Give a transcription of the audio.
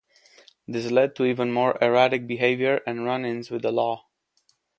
This led to even more erratic behavior and run-ins with the law.